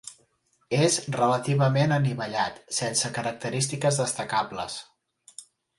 És relativament anivellat, sense característiques destacables.